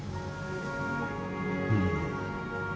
うん。